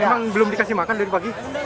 emang belum dikasih makan dari pagi